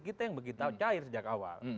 kita yang begitu cair sejak awal